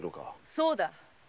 そうだ。